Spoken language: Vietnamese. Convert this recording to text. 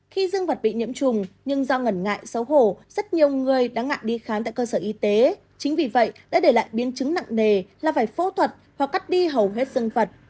khi dương vật bị nhiễm trùng nhưng do ngẩn ngại xấu hổ rất nhiều người đã ngại đi khám tại cơ sở y tế chính vì vậy đã để lại biến chứng nặng nề là phải phẫu thuật hoặc cắt đi hầu hết sinh vật